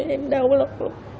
em đau lắm